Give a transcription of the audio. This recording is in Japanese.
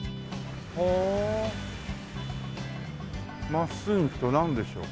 真っすぐ行くとなんでしょう？